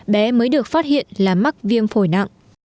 bé mới được phát hiện là mắc viêm phổi nặng